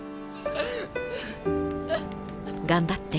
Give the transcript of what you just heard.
「頑張って。